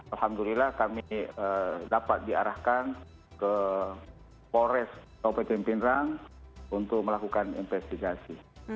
alhamdulillah kami dapat diarahkan ke polres kabupaten pindrang untuk melakukan investigasi